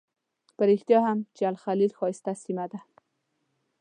په رښتیا هم چې الخلیل ښایسته سیمه ده.